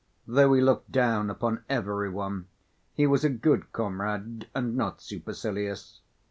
Though he looked down upon every one, he was a good comrade and not supercilious.